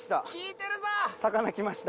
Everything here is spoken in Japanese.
魚きました。